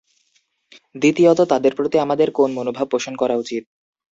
দ্বিতীয়ত, তাদের প্রতি আমাদের কোন মনোভাব পোষণ করা উচিত?